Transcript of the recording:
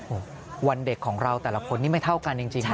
โอ้โหวันเด็กของเราแต่ละคนนี่ไม่เท่ากันจริงนะ